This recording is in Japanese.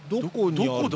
どこだ？